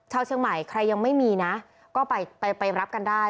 ชาวเชียงใหม่ใครยังไม่มีนะก็ไปรับกันได้